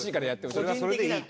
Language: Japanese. それはそれでいいと。